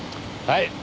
はい。